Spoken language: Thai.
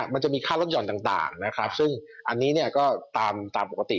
มันจะมีค่ารถหย่อนต่างนะครับซึ่งอันนี้เนี่ยก็ตามปกติ